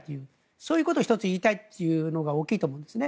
そういうことを１つ、言いたいということが大きいと思うんですね。